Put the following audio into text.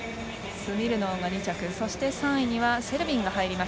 スミルノウが２着そして３位にはセルビン。